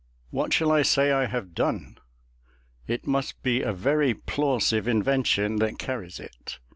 What shall I say I have done? It must be a very plausive invention that carries it.